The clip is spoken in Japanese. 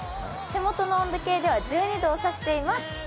手元の温度計では１２度をさしています。